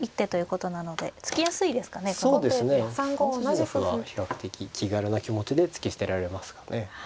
３筋の歩は比較的気軽な気持ちで突き捨てられますかね。